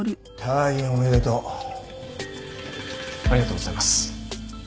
ありがとうございます。